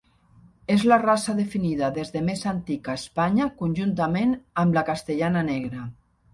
És la raça definida des de més antic a Espanya conjuntament amb la castellana negra.